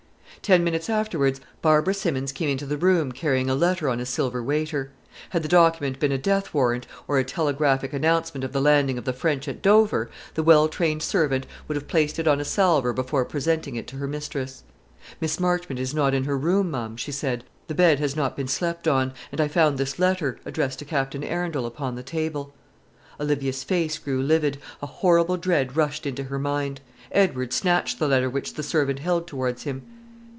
Ten minutes afterwards Barbara Simmons came into the room carrying a letter on a silver waiter. Had the document been a death warrant, or a telegraphic announcement of the landing of the French at Dover, the well trained servant would have placed it upon a salver before presenting it to her mistress. "Miss Marchmont is not in her room, ma'am," she said; "the bed has not been slept on; and I found this letter, addressed to Captain Arundel, upon the table." Olivia's face grew livid; a horrible dread rushed into her mind. Edward snatched the letter which the servant held towards him.